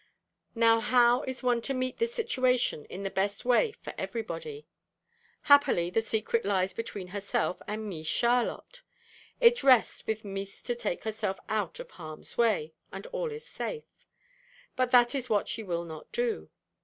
Now how is one to meet this situation in the best way for everybody? Happily the secret lies between herself and Mees Charlotte: it rests with Mees to take herself out of harm's way: and all is safe. But that is what she will not do.